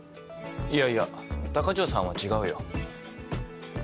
いやいや高城さんは違うよ。